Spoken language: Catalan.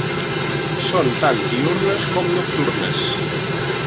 Són tant diürnes com nocturnes.